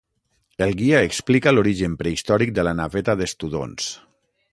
El guia explica l'origen prehistòric de la Naveta des Tudons.